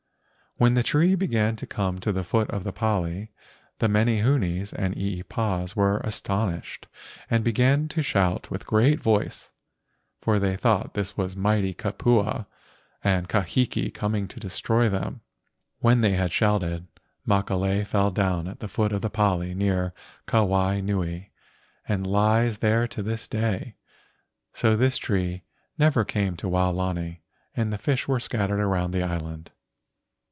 When the tree began to come to the foot of the pali, the menehunes and eepas were aston¬ ished and began to shout with a great voice, for they thought this was a mighty kupua from Kahiki coming to destroy them. When they had shouted, Makalei fell down at the foot of the pali near Ka wai nui, and lies there to this day. So this tree never came to Waolani and the fish were scattered around the island.